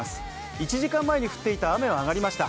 １時間前に降っていた雨はあがりました。